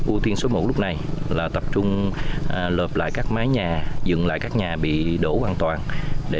ưu tiên số một lúc này là tập trung lợp lại các mái nhà dựng lại các nhà bị đổ hoàn toàn